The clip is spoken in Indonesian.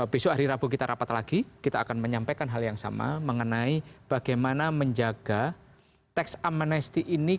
besok hari rabu kita rapat lagi kita akan menyampaikan hal yang sama mengenai bagaimana menjaga tax amnesti ini